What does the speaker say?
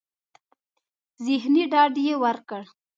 ذهني ډاډ يې ورکړ.